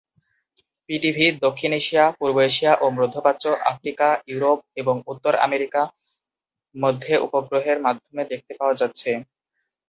PTV দক্ষিণ Asia, পূর্ব Asia ও মধ্যপ্রাচ্য, আফ্রিকা, ইউরোপ এবং উত্তর আমেরিকা মধ্যে উপগ্রহের মাধ্যমে দেখতে পাওয়া যাচ্ছে।